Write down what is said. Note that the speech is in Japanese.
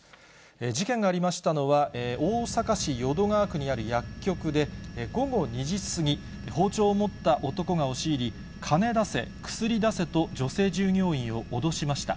事件がありましたのは、大阪市淀川区にある薬局で、午後２時過ぎ、包丁を持った男が押し入り、金出せ、薬出せと女性従業員を脅しました。